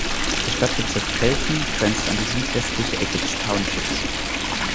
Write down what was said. Der Stadtbezirk Felton grenzt an die südwestliche Ecke des Townships.